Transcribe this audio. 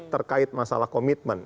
terkait masalah komitmen